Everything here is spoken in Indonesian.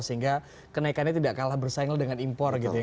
sehingga kenaikannya tidak kalah bersaingan dengan impor gitu ya